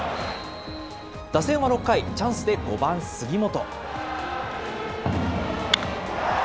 打線は６回、チャンスで５番杉本。